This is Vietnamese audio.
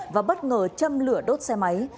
và bất ngờ châm lửa đốt xe máy